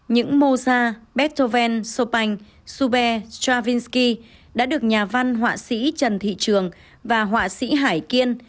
những moza beethoven chopin sube stravinsky đã được nhà văn họa sĩ trần thị trường và họa sĩ hải kiên